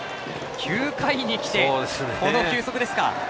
９回にきてこの球速ですか。